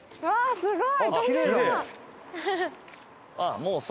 すごい。